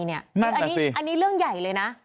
นั่นแหละสิอันนี้เรื่องใหญ่เลยนะ